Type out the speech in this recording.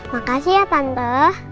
makasih ya tante